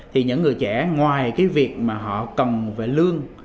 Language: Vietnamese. thì những người trẻ ngoài cái việc mà họ cần về lương